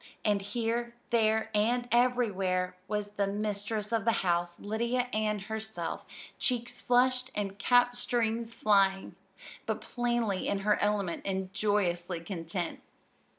And here, there, and everywhere was the mistress of the house, Lydia Ann herself, cheeks flushed and cap strings flying, but plainly in her element and joyously content.